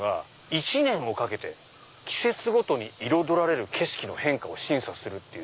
１年をかけて季節ごとに彩られる景色の変化を審査するっていう。